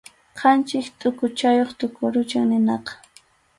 Qanchis tʼuquchayuq tuqurucham qinaqa.